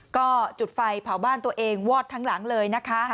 ก็จุดไฟเผาบ้านตัวเองวอดทั้งหลังเลยนะคะ